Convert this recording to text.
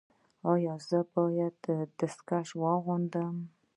ایا زه باید دستکشې واغوندم؟